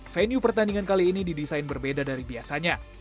venue pertandingan kali ini didesain berbeda dari biasanya